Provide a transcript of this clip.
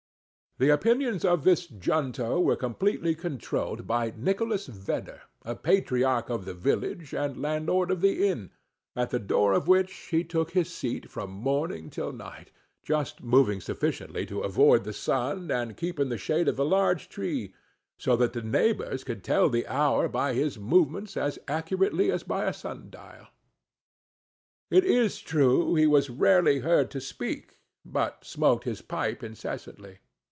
The opinions of this junto were completely controlled by Nicholas Vedder, a patriarch of the village, and landlord of the inn, at the door of which he took his seat from morning till night, just moving sufficiently to avoid the sun and keep in the shade of a large tree; so that the neighbors could tell the hour by his movements as accurately as by a sun dial. It is true he was rarely heard to speak, but smoked his pipe incessantly.